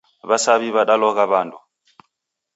Wasawi wadalogha wandu